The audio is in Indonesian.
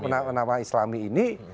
bernomin ya islami ini